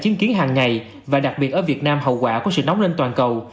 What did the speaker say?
chứng kiến hàng ngày và đặc biệt ở việt nam hậu quả của sự nóng lên toàn cầu